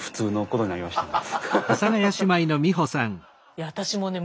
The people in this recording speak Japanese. いや私もね